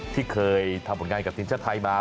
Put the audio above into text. ที่เคยทำผลงานกับทีมชาติไทยมา